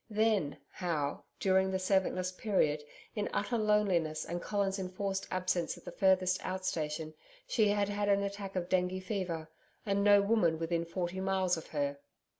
Then how, during the servantless period, in utter loneliness and Colin's enforced absence at the furthest out station she had had an attack of dengue fever, and no woman within forty miles of her.